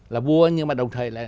là vua nhưng mà đồng thời